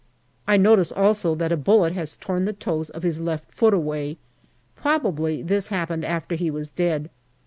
I notice also that a bullet has torn the toes of his left foot away ; probably this happened after he was dead.